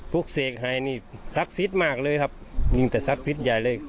พวกเสียงฮัยนี่สักศิษฐ์มากเลยครับยิ่งแต่สักศิษฐ์ใหญ่เลย